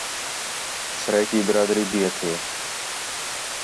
سرائیکی برادری بھی ہتھے